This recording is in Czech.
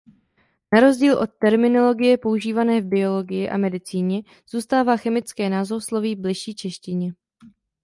Na rozdíl od terminologie používané v biologii a medicíně zůstává chemické názvosloví bližší češtině.